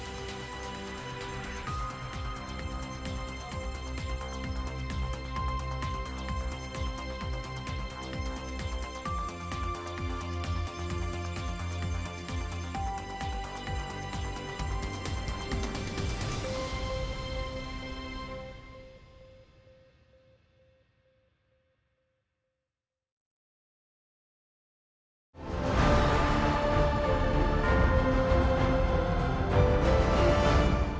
hẹn gặp lại